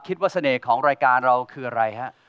เสน่ห์ของรายการเราคืออะไรฮะ